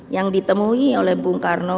yang ditemui oleh bung karno